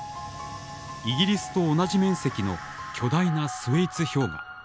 イギリスと同じ面積の巨大なスウェイツ氷河。